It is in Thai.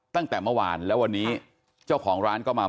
ตั้งแต่เมื่อวานแล้ววันนี้เจ้าของร้านก็มา